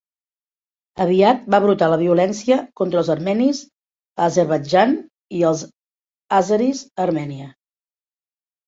Aviat va brotar la violència contra els armenis a Azerbaidjan i els àzeris a Armènia.